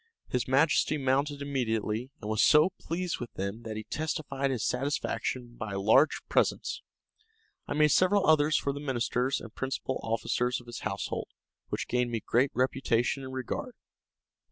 His majesty mounted immediately, and was so pleased with them that he testified his satisfaction by large presents. I made several others for the ministers and principal officers of his household, which gained me great reputation and regard.